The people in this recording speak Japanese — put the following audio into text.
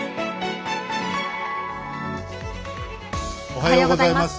おはようございます。